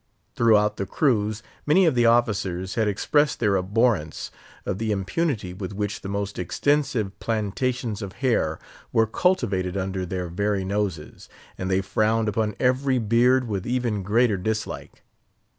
Throughout the cruise, many of the officers had expressed their abhorrence of the impunity with which the most extensive plantations of hair were cultivated under their very noses; and they frowned upon every beard with even greater dislike.